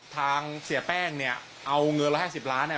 ทางเสียแป้งเนี้ยเอาเงินร้อยห้าสิบล้านเนี้ย